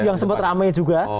yang sempat rame juga